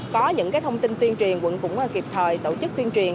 có những thông tin tuyên truyền quận cũng kịp thời tổ chức tuyên truyền